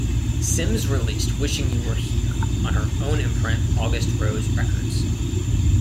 Sims released "Wishing You Were Here" on her own imprint, August Rose Records.